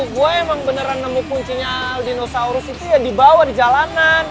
gua emang beneran nemu kuncinya aldinosaurus itu ya di bawah di jalanan